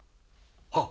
はっ。